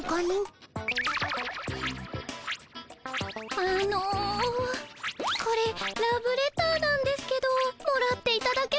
あのこれラブレターなんですけどもらっていただけます？